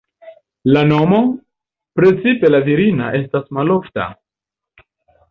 La nomo, precipe la virina estas malofta.